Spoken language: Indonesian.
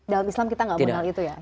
dalam islam kita nggak mengenal itu ya